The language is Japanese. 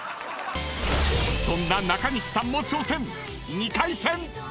［そんな中西さんも挑戦！］